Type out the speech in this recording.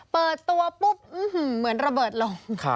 เปิดตัวปุ๊บเหมือนระเบิดลง